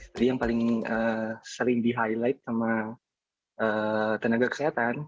jadi yang paling sering di highlight sama tenaga kesehatan